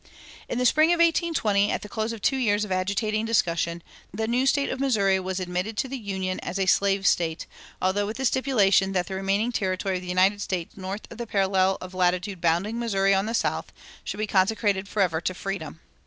In the spring of 1820, at the close of two years of agitating discussion, the new State of Missouri was admitted to the Union as a slave State, although with the stipulation that the remaining territory of the United States north of the parallel of latitude bounding Missouri on the south should be consecrated forever to freedom.